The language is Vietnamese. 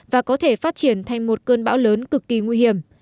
và có thể phát triển thành một cơn bão lớn hơn